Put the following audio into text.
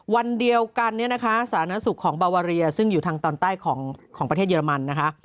วันเดียวกันเนี่ยนะคะสาธารณสุขของบาวาเรียซึ่งอยู่ทางตอนใต้ของประเทศเยอรมันนะคะ